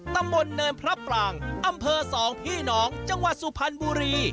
ตำบลเนินพระปรางอำเภอสองพี่น้องจังหวัดสุพรรณบุรี